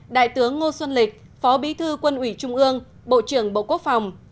đại tướng ngô xuân lịch phó bí thư quân ủy trung ương bộ trưởng bộ quốc phòng